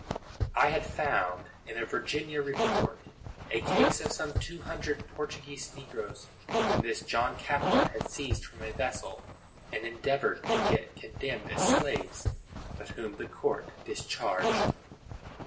[I had found, in a Virginia report, a case of some two hundred Portuguese negroes, whom this John Caphart had seized from a vessel, and endeavored to get condemned as slaves, but whom the court discharged.